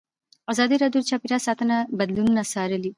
ازادي راډیو د چاپیریال ساتنه بدلونونه څارلي.